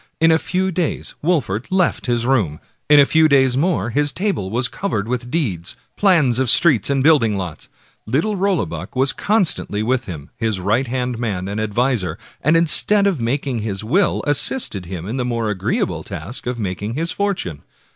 In a few days Wolfert left his room ; in a few days more his table was covered with deeds, plans of streets and building lots. Little Rollebuck was constantly with him, his right hand man and adviser, and instead of making his will assisted in the more agreeable task of making his fortune.